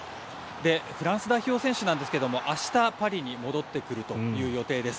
フランス代表選手なんですが明日、パリに戻ってくるという予定です。